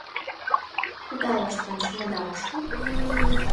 «Кудалышт ончымыда ок шу?»